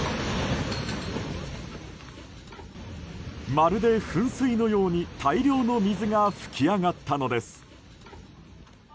まるで噴水のように大量の水が噴き上がったのです。